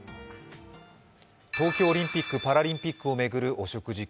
東京オリンピック・パラリンピックを巡る汚職事件。